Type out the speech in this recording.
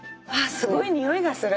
すごいにおいがする！